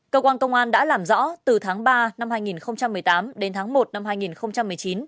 cơ quan công an đã làm rõ từ tháng ba năm hai nghìn một mươi tám đến tháng một năm hai nghìn một mươi chín